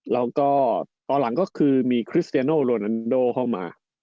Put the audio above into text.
แล้วก็ตอนหลังก็คือมีคริสเตียโนโรนันโดเข้ามา